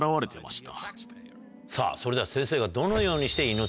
さぁそれでは先生が。